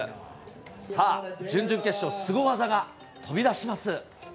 さあ、準々決勝、すご技が飛び出します。